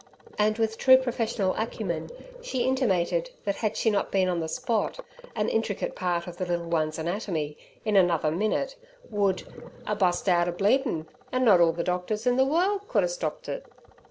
And, with true professional acumen, she intimated that had she not been on the spot, an intricate part of the little one's anatomy in another minute would "'a bust out a bleedin' an' not all ther doctors in ther worl' couldn' astoppt it."